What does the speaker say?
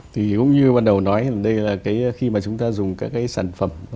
thì cũng như ban đầu nói đây là khi mà chúng ta dùng các cái sản phẩm